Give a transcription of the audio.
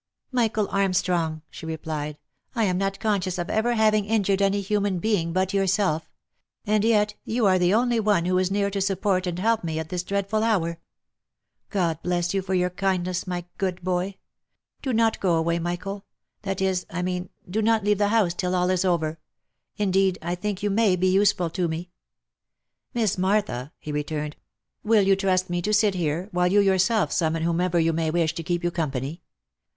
" Michael Armstrong !" she replied, " I am not conscious of ever having injured any human being but yourself; and yet you are the only one who is near to support and help me at this dreadful hour. God bless you for your kindness, my good boy ! Do not go away, Michael — that is, I mean, do not leave the house till all is over — in deed, I think vou mav be useful to me!" 366 THE LIFE AND ADVENTURES " Miss Martha," he returned, " will you trust me to sit here, while you yourself summon whomever you may wish to keep you company.